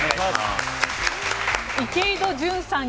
池井戸潤さん